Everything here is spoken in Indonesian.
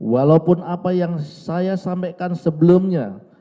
walaupun apa yang saya sampaikan sebelumnya